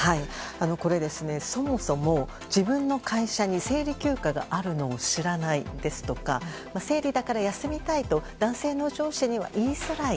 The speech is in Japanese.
これ、そもそも自分の会社に生理休暇があるのを知らないですとか生理だから休みたいと男性の上司には言いづらい。